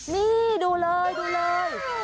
นี่ดูเลยดูเลย